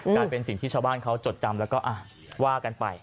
กลายเป็นสิ่งที่ชาวบ้านเขาจดจำแล้วก็ว่ากันไป